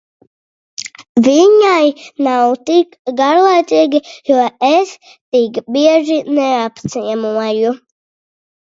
Viņai nav tik garlaicīgi, jo es tik bieži neapciemoju.